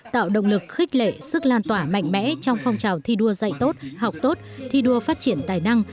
tạo động lực khích lệ sức lan tỏa mạnh mẽ trong phong trào thi đua dạy tốt học tốt thi đua phát triển tài năng